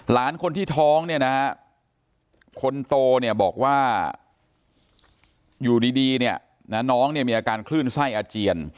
หลานคนที่ท้องคนโตบอกว่าอยู่ดีน้องมีอาการคลื่นไส้อาเจียน